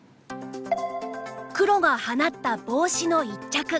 黒が放ったボウシの一着。